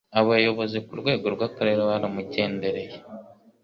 Abayobozi ku rwego rw'Akarere baramugendereye